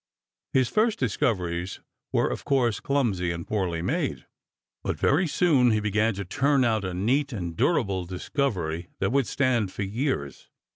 His first discoveries were, of course, clumsy and poorly made, but very soon he began to turn out a neat and durable discovery that would stand for years.